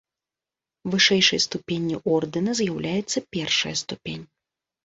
Вышэйшай ступенню ордэна з'яўляецца першая ступень.